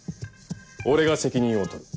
俺が責任を取る。